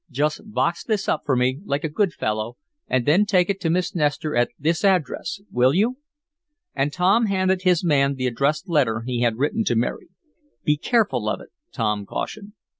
"Just box this up for me, like a good fellow, and then take it to Miss Nestor at this address; will you?" and Tom handed his man the addressed letter he had written to Mary. "Be careful of it," Tom cautioned.